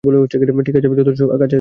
ঠিক আছে, যথেষ্ট কাছে আসা হয়েছে, জ্যাক।